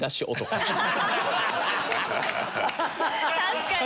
確かに。